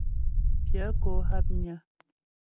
Pyə̂ kó hápnyə́.